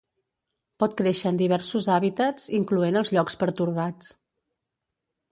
Pot créixer en diversos hàbitats incloent els llocs pertorbats.